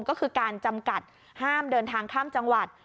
ก็คือการจำกัดห้ามเดินทางข้ามจังหวัด